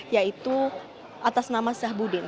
yaitu atas nama zahbudin